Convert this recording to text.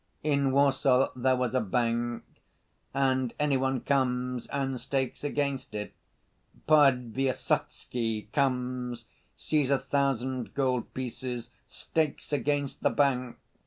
"In Warsaw there was a bank and any one comes and stakes against it. Podvysotsky comes, sees a thousand gold pieces, stakes against the bank.